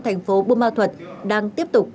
thành phố bùa ma thuật đang tiếp tục